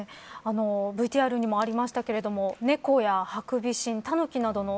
ＶＴＲにもありましたが猫やハクビシン、タヌキなどの